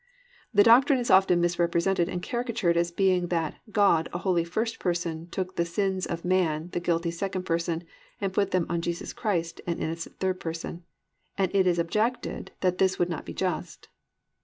The doctrine is often misrepresented and caricatured as being that "God, a holy first person, took the sins of man, the guilty second person, and put them on Jesus Christ, an innocent third person," and it is objected that this would not be just.